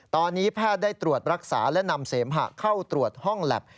ตอนนี้แพทย์ได้ตรวจรักษาและนำเสมหะเข้าตรวจห้องแล็บ